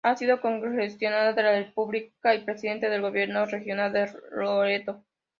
Ha sido Congresista de la República y Presidente del Gobierno Regional del Loreto.